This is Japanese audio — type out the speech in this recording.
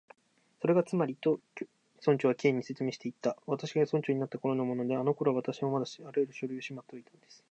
「それがつまり」と、村長は Ｋ に説明していった「私が村長になったころのもので、あのころは私もまだあらゆる書類をしまっておいたんです」